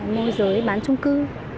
mua giới bán chung cư